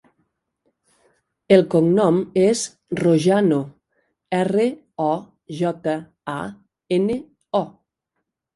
El cognom és Rojano: erra, o, jota, a, ena, o.